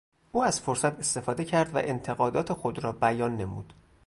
او از فرصت استفاده کرد و انتقادات خود را بیان نمود.